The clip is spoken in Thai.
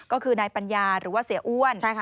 ก็คือนายปัญญาหรือว่าเสียอ้วน